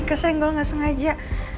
kesenggol gak sengaja